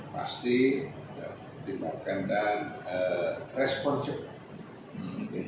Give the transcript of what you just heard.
pasti dimakan dan respon cepat